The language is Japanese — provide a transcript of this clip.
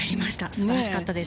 素晴らしかったです。